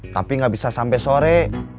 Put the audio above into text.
tapi nggak bisa sampai sore